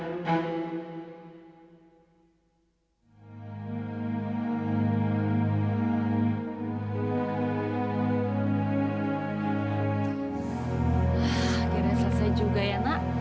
akhirnya selesai juga ya nak